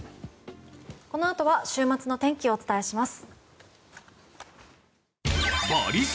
このあとは週末の天気をお伝えします。